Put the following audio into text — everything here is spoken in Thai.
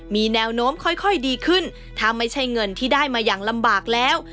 มีแนวโน้มค่อยดีขึ้นถ้าไม่ใช่เงินที่ได้มาอย่างลำบากแล้ว